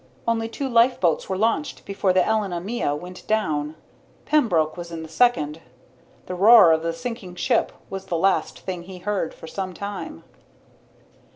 Only two lifeboats were launched before the Elena Mia went down. Pembroke was in the second. The roar of the sinking ship was the last thing he heard for some time.